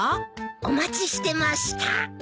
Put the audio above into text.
お待ちしてました。